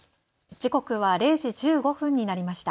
時刻は０時１５分になりました。